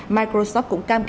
microsoft cũng cam kết